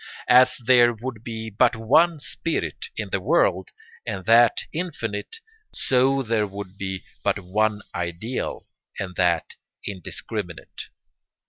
As there would be but one spirit in the world, and that infinite, so there would be but one ideal and that indiscriminate.